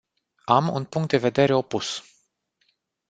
Am un punct de vedere opus.